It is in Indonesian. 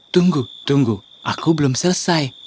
tunggu tunggu aku belum selesai